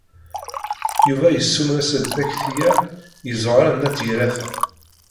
Yuba yessumer-as-d takti-a i Ẓuhṛa n At Yiraten.